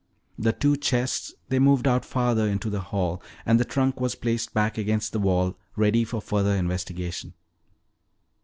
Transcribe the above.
The two chests they moved out farther into the hall and the trunk was placed back against the wall, ready for further investigation.